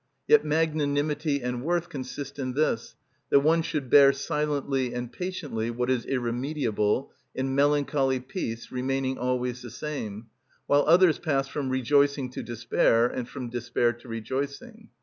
Yet magnanimity and worth consist in this, that one should bear silently and patiently what is irremediable, in melancholy peace, remaining always the same, while others pass from rejoicing to despair and from despair to rejoicing.